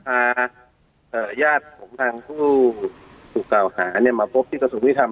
อ่าเอ่อญาติของทางผู้สูงเต่าหาเนี้ยมาพบที่กระสุนมิทรรม